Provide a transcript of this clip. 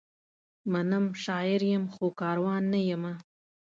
منم، شاعر یم؛ خو کاروان نه یمه